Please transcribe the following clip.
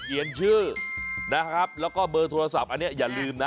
เขียนชื่อนะครับแล้วก็เบอร์โทรศัพท์อันนี้อย่าลืมนะ